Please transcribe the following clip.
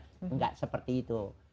tidak seperti itu